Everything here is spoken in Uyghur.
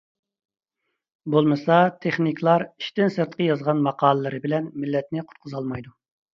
بولمىسا تېخنىكلار ئىشتىن سىرتقى يازغان ماقالىلىرى بىلەن مىللەتنى قۇتقۇزالمايدۇ.